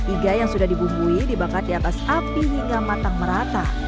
iga yang sudah dibumbui dibakar di atas api hingga matang merata